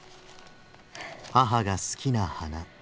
母が好きな花。